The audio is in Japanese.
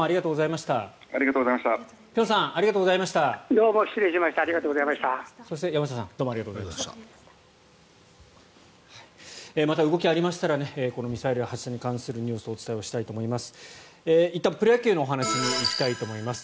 また動きがありましたらこのミサイル発射に関するニュースをお伝えしたいと思います。